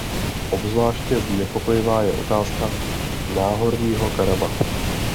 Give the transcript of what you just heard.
Obzvláště znepokojivá je otázka Náhorního Karabachu.